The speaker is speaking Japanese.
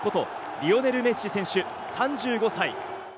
リオネル・メッシ選手、３５歳。